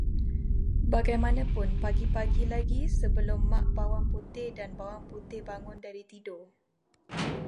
Bagaimanapun pagi-pagi lagi sebelum Mak Bawang Putih dan Bawang Putih bangun dari tidur